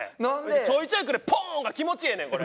ちょいちょいくる「ポーン！」が気持ちええねんこれ。